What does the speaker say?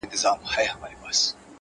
وماته دي وي خپل افغانستان مبارک,